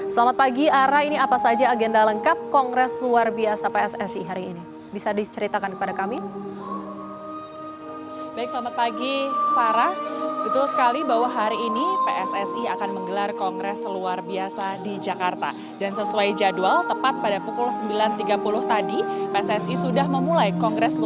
selamat pagi ara ini apa saja agenda lengkap kongres luar biasa pssi hari ini